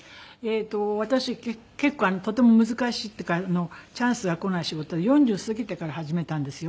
私結構とても難しいというかチャンスが来ない仕事４０過ぎてから始めたんですよ。